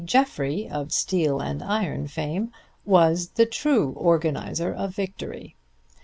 Jeffrey, of Steel and Iron fame, was the true organizer of victory.